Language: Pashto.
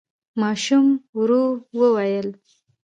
ماشوم ورو وويل: